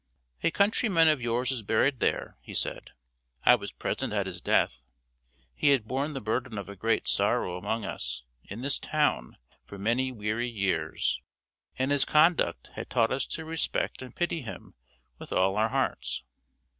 "A countryman of yours is buried there," he said. "I was present at his death. He had borne the burden of a great sorrow among us, in this town, for many weary years, and his conduct had taught us to respect and pity him with all our hearts."